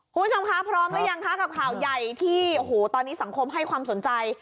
คุณผู้ชมคะพร้อมหรือยังคะกับข่าวใหญ่ที่โอ้โหตอนนี้สังคมให้ความสนใจ